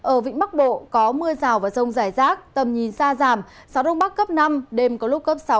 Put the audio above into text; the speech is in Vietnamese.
ở vĩnh bắc bộ có mưa rào và rông rải rác tầm nhìn xa giảm gió đông bắc cấp năm đêm có lúc cấp sáu